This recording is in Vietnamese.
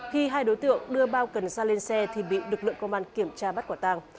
khi hai đối tượng đưa bao cần sa lên xe thì bị lực lượng công an kiểm tra bắt quả tàng